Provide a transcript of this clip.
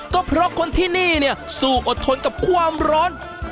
ก็เพราะคนที่นี่เนี่ยสู้อดทนกับความร้อน